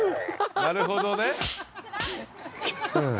なるほどね。